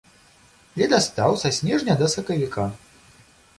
Ледастаў са снежня да сакавіка.